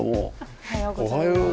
おはようございます。